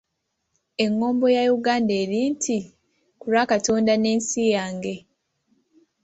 Engombo ya Uganda eri nti ku lwa Katonda n'ensi yange.